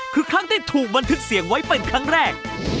คือครั้งที่ถูกบันทึกเสียงไว้เป็นครั้งแรก